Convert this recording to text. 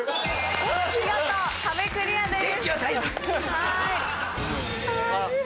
見事壁クリアです。